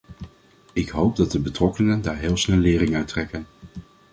Ik hoop dat de betrokkenen daar heel snel lering uit trekken.